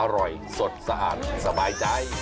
อร่อยสดสะอาดสบายใจ